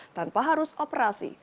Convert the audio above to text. tanpa harus operasi